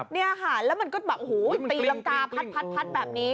เนี่ยค่ะแล้วมันก็แบบโหตีลำกาพัดแบบนี้